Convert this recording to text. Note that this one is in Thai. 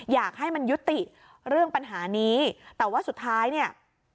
อยากให้มันยุติเรื่องปัญหานี้แต่ว่าสุดท้ายเนี่ย